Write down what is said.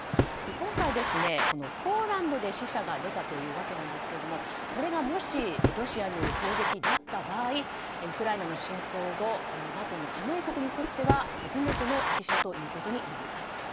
今回、ポーランドで死者が出たというわけなんですがこれが、もしロシアによる攻撃だった場合ウクライナ侵攻後ＮＡＴＯの加盟国にとっては初めての死者ということになります。